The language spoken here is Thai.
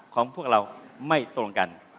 ของพวกเราไม่ตรงกัน